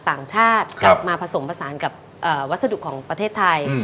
ต่างชาติกลับมาผสมผสานกับวัสดุของประเทศไทย